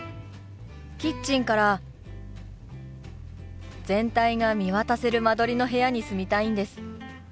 キッチンから全体が見渡せる間取りの部屋に住みたいんです。